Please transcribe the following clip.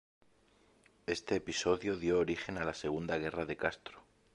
Este episodio dio origen a la Segunda Guerra de Castro.